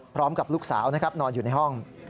พร้อมกับลูกสาวนะครับนอนอยู่ในห้อง